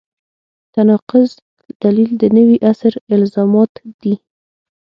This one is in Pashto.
تناقض دلیل د نوي عصر الزامات دي.